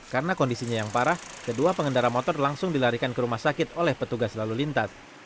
karena kondisinya yang parah kedua pengendara motor langsung dilarikan ke rumah sakit oleh petugas lalu lintas